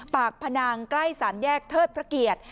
พนังใกล้สามแยกเทิดพระเกียรติ